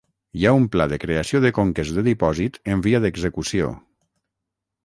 Hi ha un pla de creació de conques de dipòsit en via d'execució.